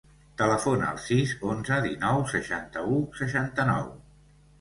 Telefona al sis, onze, dinou, seixanta-u, seixanta-nou.